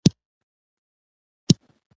اولادونه مو ښه ورزوی!